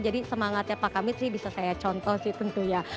jadi semangatnya pak kamit sih bisa saya contoh sih tentunya